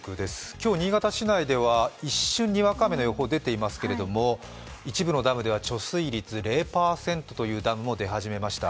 今日、新潟市内では一瞬にわか雨の予報が出ていますけれども、一部のダムでは貯水率０％というダムも出始めました。